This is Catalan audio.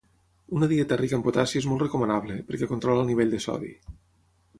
Una dieta rica en potassi és molt recomanable, perquè controla el nivell de sodi.